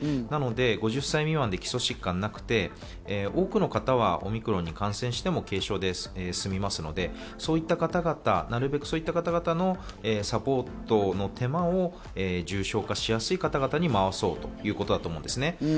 なので５０歳未満で基礎疾患がなくて、多くの方はオミクロンに感染しても軽症で済みますのでなるべくそういった方々のサポートの手間を重症化しやすい方々に回そうということだと思います。